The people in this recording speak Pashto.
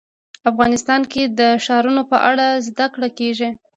افغانستان کې د ښارونه په اړه زده کړه کېږي.